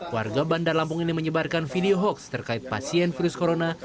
warga bandar lampung ini menyebarkan video hoax terkait pasien virus corona